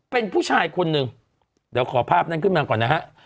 เป็นผู้ชายคนหนึ่งเดี๋ยวขอภาพนั้นขึ้นมาก่อนนะฮะ